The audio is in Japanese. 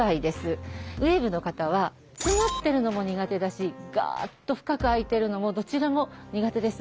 ウエーブの方は詰まってるのも苦手だしガッと深く開いてるのもどちらも苦手です。